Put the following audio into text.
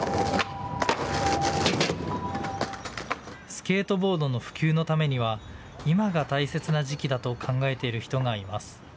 スケートボードの普及のためには今が大切な時期だと考えている人がいます。